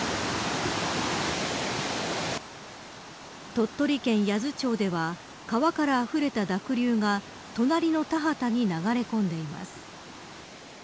鳥取県八頭町では川からあふれた濁流が隣の田畑に流れ込んでいます。